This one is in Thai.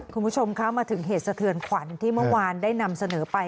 คุณผู้ชมคะมาถึงเหตุสะเทือนขวัญที่เมื่อวานได้นำเสนอไป